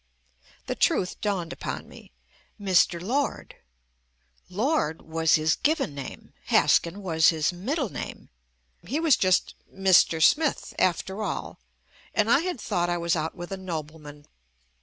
The truth dawned upon me. "Mr. Lord" — "Lord" was his given name, Haskin was his middle name — he was just "Mr. Smith" after all, and I had thought I was out with a nobleman.